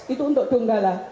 itu untuk donggala